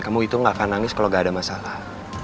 kamu itu gak akan nangis kalau gak ada masalah